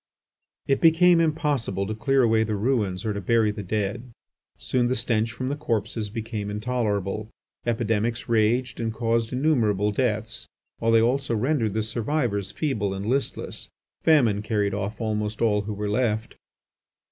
It became impossible to clear away the ruins or to bury the dead. Soon the stench from the corpses became intolerable. Epidemics raged and caused innumerable deaths, while they also rendered the survivors feeble and listless. Famine carried off almost all who were left.